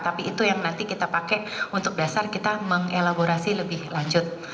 tapi itu yang nanti kita pakai untuk dasar kita mengelaborasi lebih lanjut